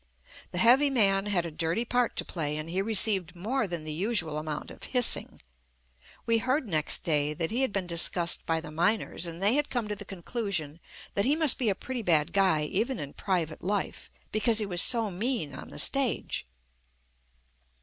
The heavy man had a dirty part to play and he re ceived more than the usual amount of hissing. We heard next day that he had been discussed by the miners and they had come to the con clusion that he must be a pretty bad guy even JUST ME in private life, because he was so mean on tbe stage.